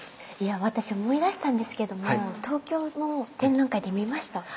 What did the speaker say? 私思い出したんですけども東京の展覧会で見ました！